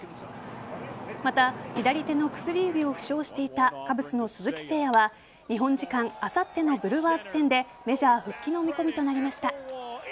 また、左手の薬指を負傷していたカブスの鈴木誠也は日本時間あさってのブルワーズ戦でメジャー復帰の見込みとなりました。